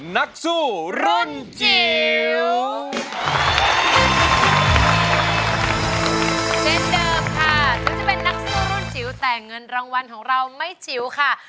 เป็นเดิมค่ะจะเป็นนักสู้รุ่นจิ๋วแต่เงินรางวัลของเราไม่จิ๋วค่ะ